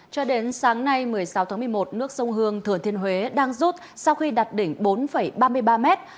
cho đến sáng nay một mươi sáu tháng một mươi một nước sông hương thừa thiên huế đang rút sau khi đặt đỉnh bốn ba mươi ba mét